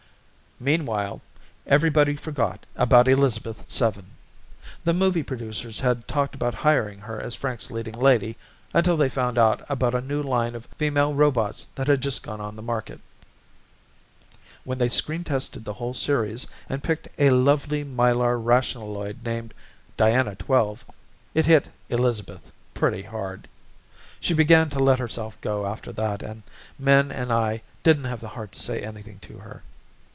Meanwhile everybody forgot about Elizabeth Seven. The movie producers had talked about hiring her as Frank's leading lady until they found out about a new line of female robots that had just gone on the market. When they screen tested the whole series and picked a lovely Mylar rationaloid named Diana Twelve, it hit Elizabeth pretty hard. She began to let herself go after that and Min and I didn't have the heart to say anything to her.